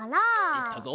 いったぞ。